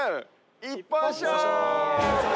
一本勝負。